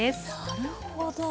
なるほど。